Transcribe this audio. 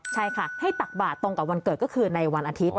ใช่ค่ะให้ตักบาทตรงกับวันเกิดก็คือในวันอาทิตย์